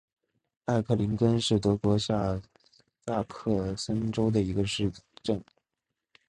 艾克林根是德国下萨克森州的一个市镇。